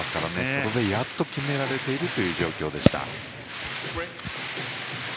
その分、やっと決められているという状況でした。